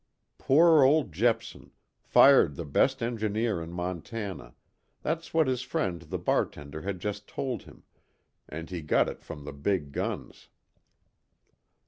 Poor old Jepson fired the best engineer in Montana that's what his friend, the bartender, had just told him, and he got it from the big guns.